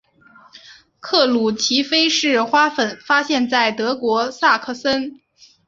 克鲁奇菲氏花粉发现在德国萨克森。